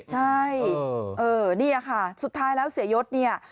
ใช่นี่ค่ะสุดท้ายแล้วเสียยศเนี่ย